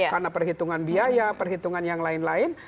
karena perhitungan biaya perhitungan yang lain lain